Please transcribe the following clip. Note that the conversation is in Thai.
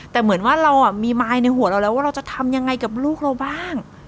แต่เหมือนว่าเรามีมายในหัวเราแล้วว่าเราจะทำยังไงกับลูกเราบ้าง